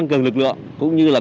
để mình về